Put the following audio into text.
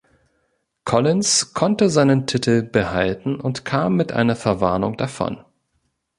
Collins konnte seinen Titel behalten und kam mit einer Verwarnung davon.